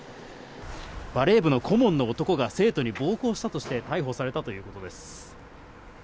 バレー部の顧問の男が生徒に暴行したとして逮捕されたということです。